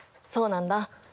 そうなんだ！